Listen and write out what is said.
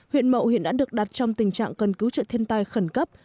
huyện mậu hiện đã được đặt trong tình trạng cần cứu trợ thiên tai khẩn cấp